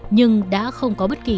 nhưng đã không có bất kỳ